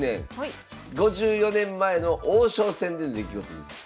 ５４年前の王将戦での出来事です。